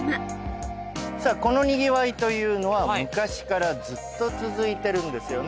このにぎわいというのは昔からずっと続いてるんですよね。